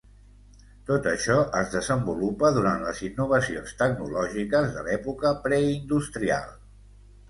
Tot això es desenvolupa durant les innovacions tecnològiques de l'època preindustrial.